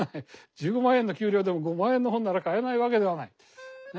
１５万円の給料でも５万円の本なら買えないわけではない。